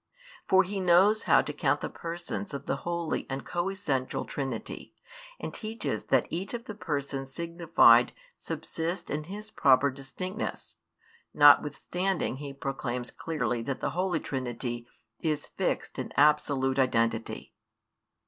For he knows how to count the Persons of the Holy and Coessential Trinity, and teaches that each of the Persons signified subsists in His proper distinctness: notwithstanding he proclaims clearly that the Holy Trinity is fixed in absolute identity.